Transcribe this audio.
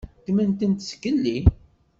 Ddment-tent zgelli.